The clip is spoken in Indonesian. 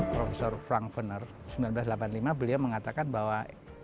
profesor frank vener seribu sembilan ratus delapan puluh lima beliau mengatakan bahwa